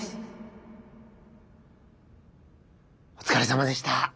お疲れさまでした。